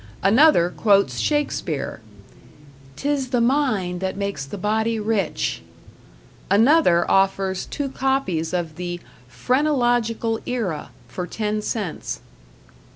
Another quotes Shakespeare: "Tis the mind that makes the body rich." Another offers two copies of the "Phrenological Era" for ten cents.